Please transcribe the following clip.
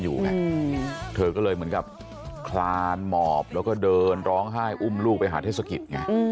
เหมือนกับคลานหมอบแล้วก็เดินร้องไห้อุ้มลูกไปหาเทศกิจ